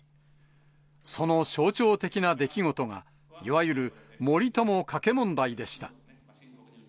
その象徴的な出来事が、いわゆる森友・加計問題でした。